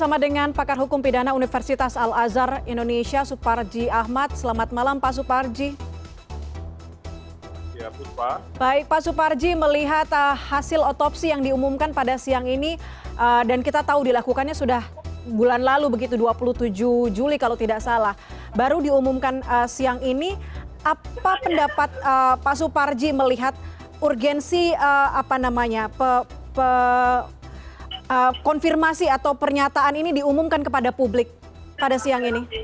apa pendapat pak suparji melihat urgensi konfirmasi atau pernyataan ini diumumkan kepada publik pada siang ini